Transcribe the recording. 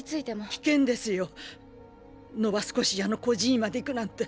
危険ですよノバスコシアの孤児院まで行くなんて。